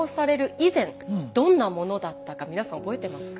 以前どんなものだったか皆さん覚えてますか？